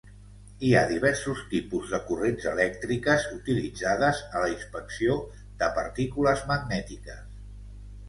Hi ha diversos tipus de corrents elèctriques utilitzades a la inspecció de partícules magnètiques.